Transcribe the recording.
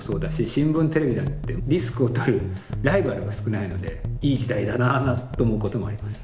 新聞テレビだってリスクをとるライバルが少ないのでいい時代だなあと思うこともあります。